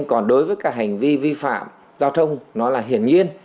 còn đối với cả hành vi vi phạm giao thông nó là hiển nhiên